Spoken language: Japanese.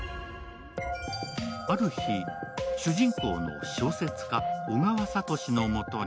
ある日、主人公の小説家・小川哲のもとに